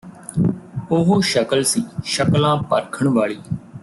ਉਹ ਸ਼ਕਲ ਸੀ ਸ਼ਕਲਾਂ ਪਰਖਣ ਵਾਲੀ